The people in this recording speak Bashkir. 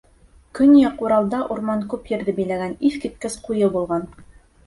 Көньяҡ Уралда урман күп ерҙе биләгән, иҫ киткес ҡуйы булған.